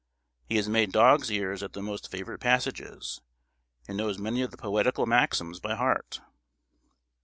He has made dog's ears at the most favourite passages, and knows many of the poetical maxims by heart.